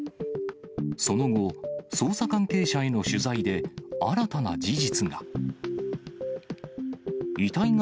その後、捜査関係者への取材で、新たな事実が。